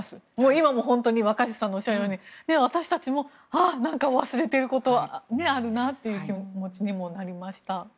今も、本当に若新さんのおっしゃるように私たちもなんか忘れてることあるなって気持ちにもなりました。